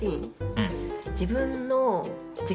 うん。